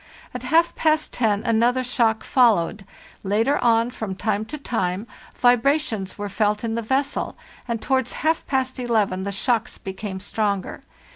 At half past ten another shock followed; later on, from time to time, vibrations were felt in the vessel, and towards half past eleven the shocks became stronger.